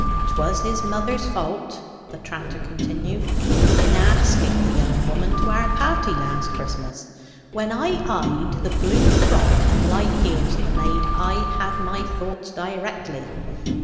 "'Twas his mother's fault," the tranter continued, "in asking the young woman to our party last Christmas. When I eyed the blue frock and light heels o' the maid, I had my thoughts directly.